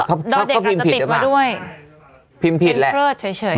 เออเขาก็พิมพ์ผิดใช่ป่ะพิมพ์ผิดแหละพิมพ์เพลิดเฉยเฉย